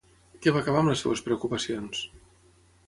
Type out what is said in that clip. Què va acabar amb les seves preocupacions?